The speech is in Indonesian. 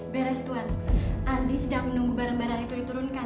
beres tuan andi sejak menunggu barang barang itu diturunkan